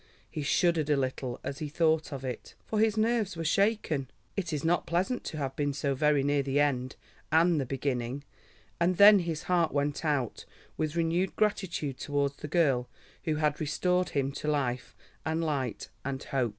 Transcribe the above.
He shuddered a little as he thought of it, for his nerves were shaken; it is not pleasant to have been so very near the End and the Beginning; and then his heart went out with renewed gratitude towards the girl who had restored him to life and light and hope.